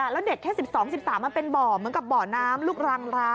แล้วเด็กแค่๑๒๑๓มันเป็นบ่อเหมือนกับบ่อน้ำลูกรังร้าง